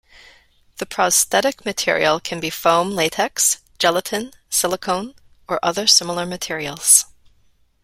The prosthetic material can be foam latex, gelatin, silicone or other similar materials.